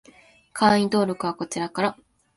会員登録はこちらから